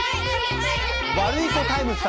ワルイコタイムス様。